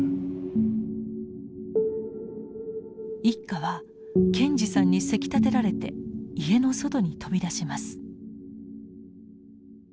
一家は謙次さんにせきたてられて家の外に飛び出します。